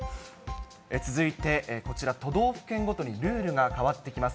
続いて、こちら、都道府県ごとにルールが変わってきます。